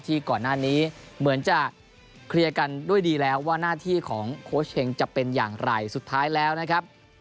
ก่อนหน้านี้เหมือนจะเคลียร์กันด้วยดีแล้วว่าหน้าที่ของโค้ชเฮงจะเป็นอย่างไรสุดท้ายแล้วนะครับ